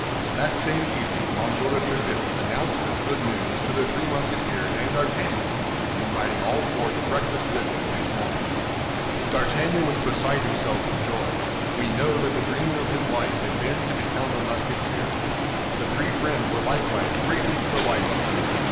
That same evening M. de Tréville announced this good news to the three Musketeers and D'Artagnan, inviting all four to breakfast with him next morning. D'Artagnan was beside himself with joy. We know that the dream of his life had been to become a Musketeer. The three friends were likewise greatly delighted.